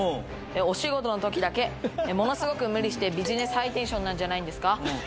お仕事のときだけものすごく無理してビジネスハイテンションなんじゃないんですか？